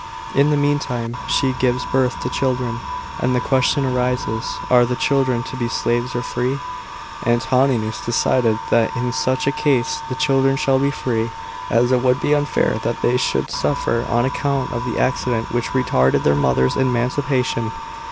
In the meantime she gives birth to children, and the question arises, are the children to be slaves or free? Antoninus decided that in such a case the children shall be free, as it would be unfair that they should suffer on account of the accident which retarded their mother's emancipation.